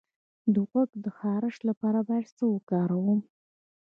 د غوږ د خارش لپاره باید څه وکاروم؟